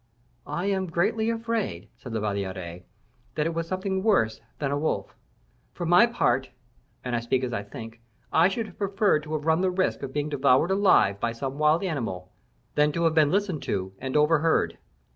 "I am greatly afraid," said La Valliere, "that it was something worse than a wolf. For my part, and I speak as I think, I should have preferred to have run the risk of being devoured alive by some wild animal than to have been listened to and overheard.